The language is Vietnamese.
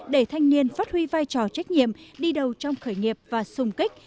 để thanh niên phát huy vai trò trách nhiệm đi đầu trong khởi nghiệp và sùng kích